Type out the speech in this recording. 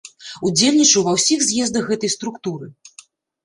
Удзельнічаў ва ўсіх з'ездах гэтай структуры.